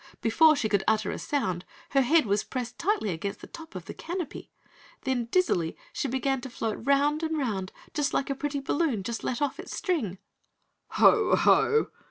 Before she could utter a sound, her head was pressed tightly against the top of the canopy. Then, dizzily, she began to float 'round and 'round like a pretty balloon just let off its string. "Ho, Ho!"